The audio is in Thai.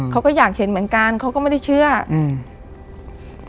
เขาก็อยากเห็นเหมือนกันเขาก็ไม่ได้เชื่ออืม